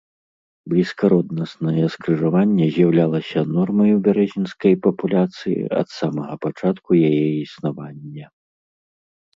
Блізкароднаснае скрыжаванне з'яўлялася нормай у бярэзінскай папуляцыі ад самага пачатку яе існавання.